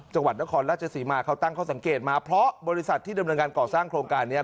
จังหวัดนครราชศรีมาเขาตั้งข้อสังเกตมาเพราะบริษัทที่ดำเนินการก่อสร้างโครงการนี้